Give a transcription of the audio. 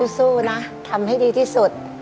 สู้นะทำให้ดีที่สุด